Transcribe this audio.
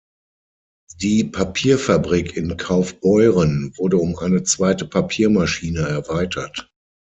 Die Papierfabrik in Kaufbeuren wurde um eine zweite Papiermaschine erweitert.